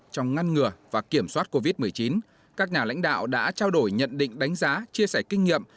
trong ngăn ngừa và kiểm soát covid một mươi chín các nhà lãnh đạo đã trao đổi nhận định đánh giá chia sẻ kinh nghiệm